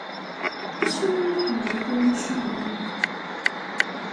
Acimi i tḥemmleḍ timucuha?